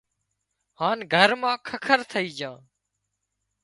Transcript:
هانَ گھر مان ککر ٿئي جھان